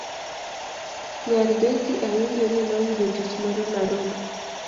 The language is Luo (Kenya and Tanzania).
Nyar Becky awinjo ni noyudo tich moro Narobi